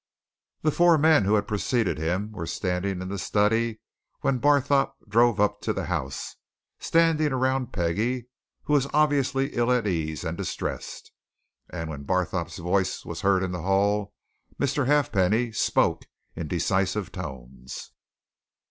The four men who had preceded him were standing in the study when Barthorpe drove up to the house standing around Peggie, who was obviously ill at ease and distressed. And when Barthorpe's voice was heard in the hall, Mr. Halfpenny spoke in decisive tones.